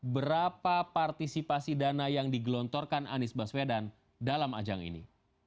berapa partisipasi dana yang digelontorkan anies baswedan dalam ajang ini